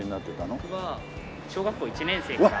僕は小学校１年生から。